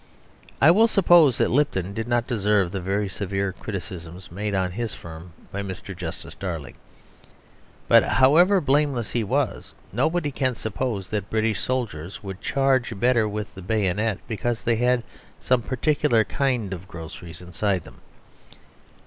I will suppose that Lipton did not deserve the very severe criticisms made on his firm by Mr. Justice Darling; but, however blameless he was, nobody can suppose that British soldiers would charge better with the bayonet because they had some particular kind of groceries inside them.